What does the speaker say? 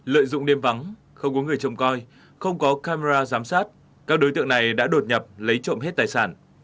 lợi dụng đêm vắng không có người trông coi không có camera giám sát các đối tượng này đã đột nhập lấy trộm hết tài sản